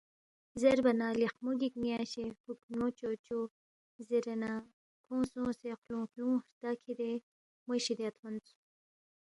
زیربا نہ، لیخمو گِک ن٘ی اشے ہوکھنمو چوچو زیرے نہ کھونگ سونگسے خلُونگ خلونگ ہرتا کِھدے موے شِدیا تھونس